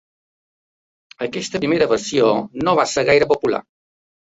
Aquesta primera versió no va ser gaire popular.